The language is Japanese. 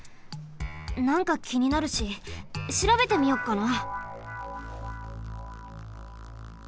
なんかきになるししらべてみよっかな。